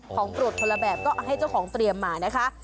โปรดคนละแบบก็ให้เจ้าของเตรียมมานะคะ